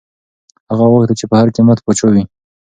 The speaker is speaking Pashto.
هغه غوښتل چي په هر قیمت پاچا وي.